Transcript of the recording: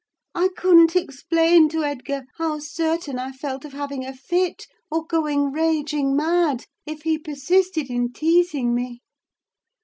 I couldn't explain to Edgar how certain I felt of having a fit, or going raging mad, if he persisted in teasing me!